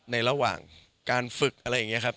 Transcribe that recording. ระหว่างการฝึกอะไรอย่างนี้ครับ